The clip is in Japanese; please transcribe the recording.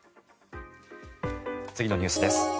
次のニュースです。